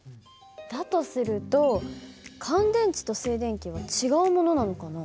だとすると乾電池と静電気は違うものなのかな？